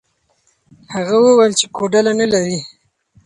هغه وویل چې کوډله نه لري.